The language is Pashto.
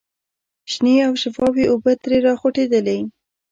شنې او شفافې اوبه ترې را خوټکېدلې.